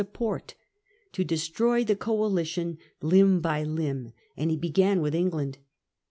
SU pp 0rt> to destroy the coalition limb by limb \ and he began with England.